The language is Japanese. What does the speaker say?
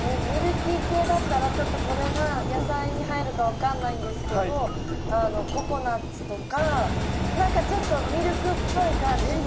ミルキー系だったらちょっとこれが野菜に入るか分かんないんですけど何かちょっとミルクっぽい感じ。